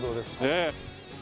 ねえ。